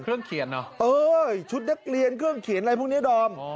เครื่องเขียนเหรอเอ้ยชุดนักเรียนเครื่องเขียนอะไรพวกนี้ดอม